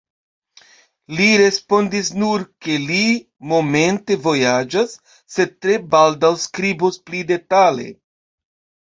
Li respondis nur, ke li momente vojaĝas, sed tre baldaŭ skribos pli detale.